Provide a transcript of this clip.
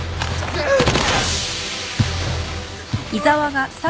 うっ。